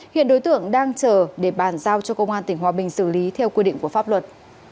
hiện đối tượng đang chờ để bàn giao cho công an tỉnh hòa bình xử lý theo quy định của pháp luật